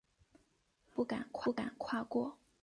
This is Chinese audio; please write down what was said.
我不敢跨过